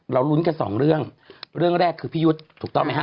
ลุ้นกันสองเรื่องเรื่องแรกคือพี่ยุทธ์ถูกต้องไหมฮะ